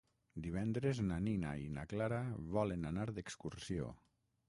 Divendres na Nina i na Clara volen anar d'excursió.